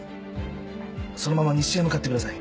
そのまま西へ向かってください。